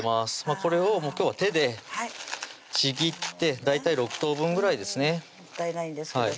これを今日は手でちぎって大体６等分ぐらいですねもったいないんですけどね